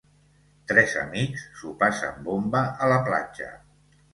Tres amics s'ho passen bomba a la platja.